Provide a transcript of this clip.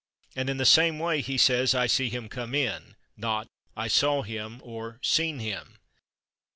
And in the same way he says "I /see/ him come in," not "I /saw/ him" or "/seen/ him."